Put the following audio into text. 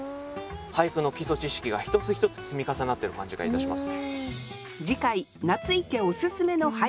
俳句の基礎知識が一つ一つ積み重なってる感じがいたします。